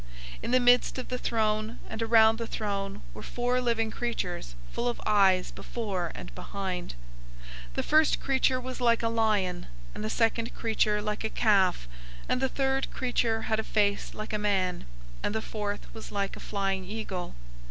In the midst of the throne, and around the throne were four living creatures full of eyes before and behind. 004:007 The first creature was like a lion, and the second creature like a calf, and the third creature had a face like a man, and the fourth was like a flying eagle.